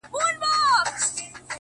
خدايه هغه زما د کور په لار سفر نه کوي;